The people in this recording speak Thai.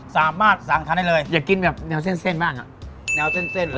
สามารถสั่งทานได้เลยอยากกินแบบแนวเส้นเส้นบ้างอ่ะแนวเส้นเส้นเลย